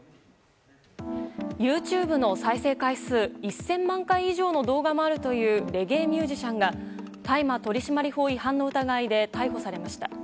ＹｏｕＴｕｂｅの再生回数１０００万回以上の動画もあるというレゲエミュージシャンが大麻取締法違反の疑いで逮捕されました。